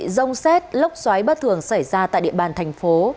rông xét lốc xoáy bất thường xảy ra tại địa bàn thành phố